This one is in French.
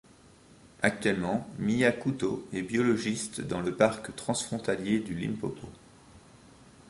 Actuellement, Mia Couto est biologiste dans le Parc transfrontalier du Limpopo.